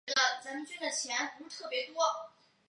特点是口感干香酥脆。